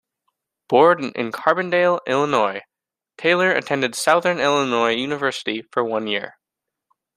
Born in Carbondale, Illinois, Taylor attended Southern Illinois University for one year.